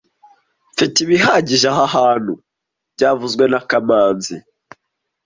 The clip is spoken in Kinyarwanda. Mfite ibihagije aha hantu byavuzwe na kamanzi